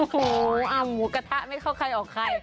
หู้วอ้างหมูกระทะไม่เข้าไหลไหว